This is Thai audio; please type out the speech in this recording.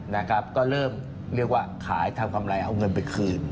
นะครับก็เริ่มเรียกว่าขายทำกำไรเอาเงินไปคืน